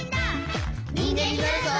「にんげんになるぞ！」